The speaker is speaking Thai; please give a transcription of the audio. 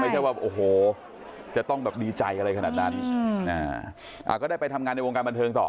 ว่าโอ้โหจะต้องแบบดีใจอะไรขนาดนั้นก็ได้ไปทำงานในวงการบันเทิงต่อ